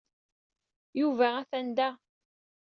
Yuba atan da.